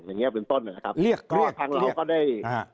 อย่างเงี้ยเป็นต้นนะครับเรียกก็เรียกทางเราก็ได้อ่า